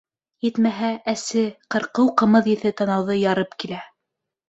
Етмәһә, әсе, ҡырҡыу ҡымыҙ еҫе танауҙы ярып килә.